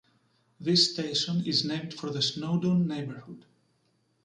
This station is named for the Snowdon neighbourhood.